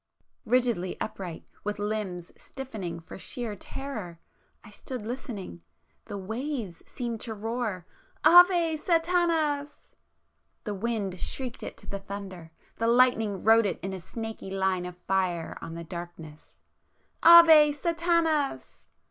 Rigidly upright, with limbs stiffening for sheer terror, I stood listening,—the waves seemed to roar "Ave Sathanas!"—the wind shrieked it to the thunder,—the lightning wrote it in a snaky line of fire on the darkness "Ave Sathanas!"